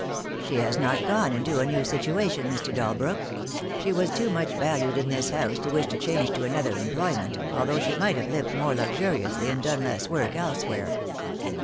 "She has not gone into a new situation, Mr. Dalbrook. She was too much valued in this house to wish to change to another employment, although she might have lived more luxuriously and done less work elsewhere.